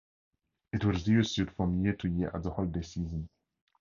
It was reissued from year to year at the holiday season.